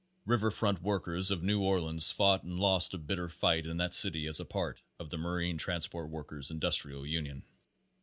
River front workers of New Orleans fought and lost a bitter fight in that city as a part of the Marine Transport Workers' Industrial Union.